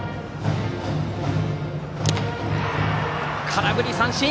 空振り三振！